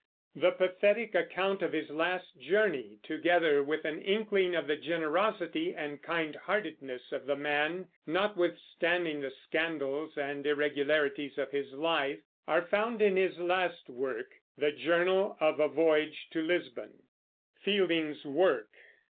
The pathetic account of this last journey, together with an inkling of the generosity and kind heartedness of the man, notwithstanding the scandals and irregularities of his life, are found in his last work, the Journal of a Voyage to Lisbon. FIELDING'S WORK.